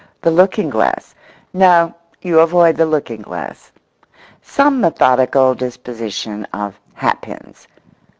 The looking glass—no, you avoid the looking glass. Some methodical disposition of hat pins.